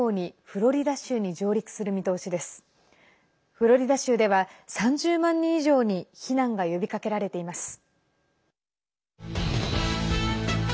フロリダ州では３０万人以上に避難が呼びかけられています。